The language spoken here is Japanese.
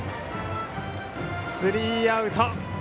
スリーアウト。